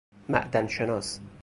معدن شناس